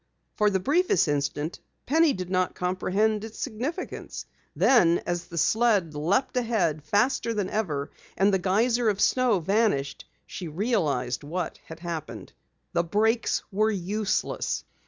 For the briefest instant Penny did not comprehend its significance. Then, as the sled leaped ahead faster than ever and the geyser of snow vanished, she realized what had happened. The brakes were useless!